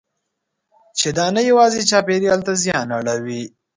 چې دا نه یوازې چاپېریال ته زیان اړوي.